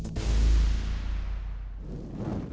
โปรดติดตาม